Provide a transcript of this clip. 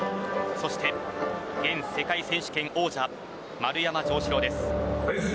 そして、現世界選手権王者丸山城志郎です。